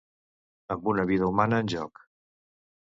Amb una vida humana en joc.